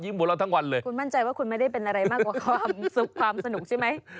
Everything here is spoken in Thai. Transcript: คุณมั่นใจว่าคุณไม่ได้เป็นอะไรมากกว่าความสุขความสนุกใช่ไหม